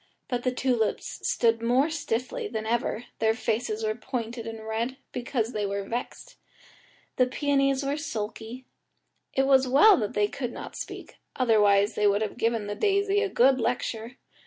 But the tulips stood more stiffly than ever, their faces were pointed and red, because they were vexed. The peonies were sulky; it was well that they could not speak, otherwise they would have given the daisy a good lecture.